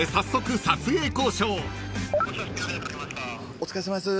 お疲れさまです。